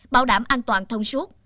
bảo đảm an toàn thông suốt